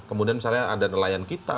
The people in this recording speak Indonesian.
kemudian misalnya ada nelayan kita